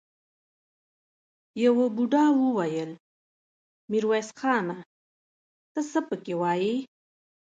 يوه بوډا وويل: ميرويس خانه! ته څه پکې وايې؟